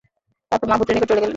তারপর মা পুত্রের নিকট চলে গেলেন।